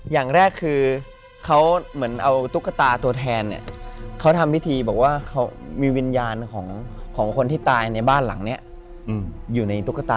อย่างแรกคือเขาเหมือนเอาตุ๊กตาตัวแทนเนี่ยเขาทำพิธีบอกว่ามีวิญญาณของคนที่ตายในบ้านหลังนี้อยู่ในตุ๊กตา